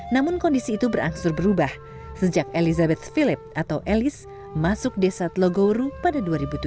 namun kondisi itu berangsur berubah sejak elizabeth philip atau elis masuk desa telogoru pada dua ribu tujuh